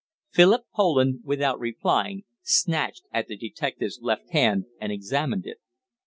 Philip Poland, without replying, snatched at the detective's left hand and examined it.